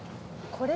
これ。